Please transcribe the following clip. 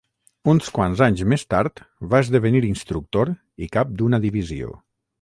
Uns quants anys més tard va esdevenir instructor i cap d'una divisió.